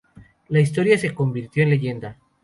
La historia se convirtió en leyenda...